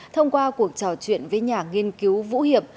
thông qua cuộc trò chuyện với nhà nghiên cứu vũ hiệp